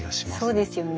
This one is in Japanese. そうですよね。